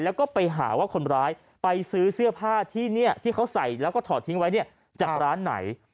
แล้วก็ไปหาว่าคนร้ายไปซื้อเสื้อผ้าที่เนี่ยที่เขาใส่แล้วก็ถอดทิ้งไว้เนี่ยจากร้านไหน